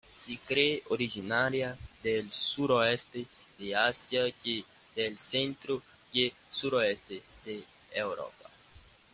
Se cree originaria del suroeste de Asia y del centro y suroeste de Europa.